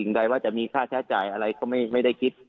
ใดว่าจะมีค่าใช้จ่ายอะไรก็ไม่ได้คิด